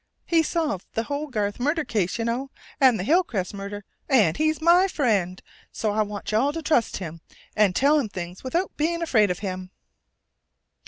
He solved the Hogarth murder case, you know, and the Hillcrest murder. And he's my friend, so I want you all to trust him and tell him things without being afraid of him."